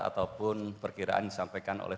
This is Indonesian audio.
ataupun perkiraan disampaikan oleh